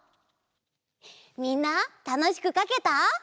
みんなたのしくかけた？